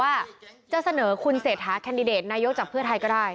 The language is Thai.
ว่าจะเสนอคุณเศรษฐาแคนดิเดตนายกจากเพื่อไทยก็ได้